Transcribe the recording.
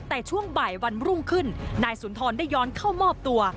แต่ช่วงบ่ายวันรุ่งขึ้นนายสุนทรได้ย้อนเข้ามอบตัว